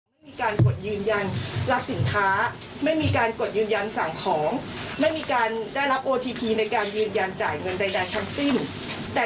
ร้านค้าที่แฮ็กเงินพวกเราไปเนี่ยส่วนใหญ่เป็นร้านค้าซั้ม